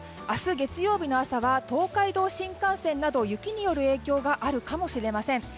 明日、月曜日の朝は東海道新幹線など雪による影響があるかもしれません。